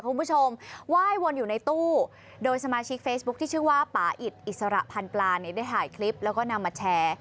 คุณผู้ชมไหว้วนอยู่ในตู้โดยสมาชิกเฟซบุ๊คที่ชื่อว่าป่าอิดอิสระพันปลาเนี่ยได้ถ่ายคลิปแล้วก็นำมาแชร์